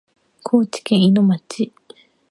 高知県いの町